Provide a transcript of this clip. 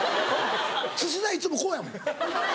土田いっつもこうやもん。